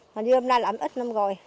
nhưng hôm nay là ít năm rồi